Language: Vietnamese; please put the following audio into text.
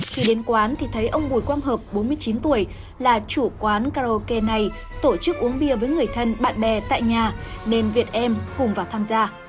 khi đến quán thì thấy ông bùi quang hợp bốn mươi chín tuổi là chủ quán karaoke này tổ chức uống bia với người thân bạn bè tại nhà nên việt em cùng vào tham gia